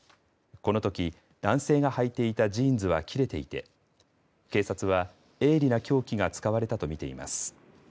このとき、男性がはいていたジーンズは切れていて警察は鋭利な凶器が使われたと見ています。